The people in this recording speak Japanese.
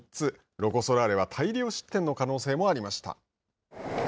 ロコ・ソラーレは大量失点の可能性もありました。